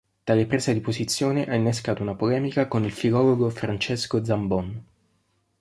Tale presa di posizione ha innescato una polemica con il filologo Francesco Zambon.